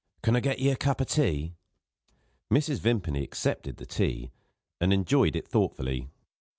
"Can I get you a cup of tea?" Mrs. Vimpany accepted the tea, and enjoyed it thoughtfully.